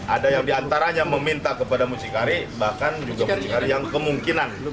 ada yang diantaranya meminta kepada mucikari bahkan juga mucikari yang kemungkinan